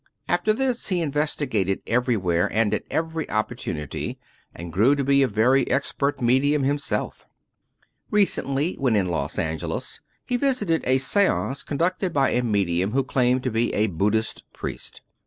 After this he investigated everywhere, and at every oppor tunity, and grew to be a very expert medium himself. Recently, when in Los Angeles, he visited a seance con ducted by a medium who claimed to be a Buddhist priest.